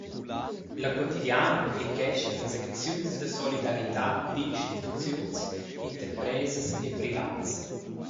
La Quotidiana publichescha las acziuns da solidaritad d’instituziuns, interpresas e privats.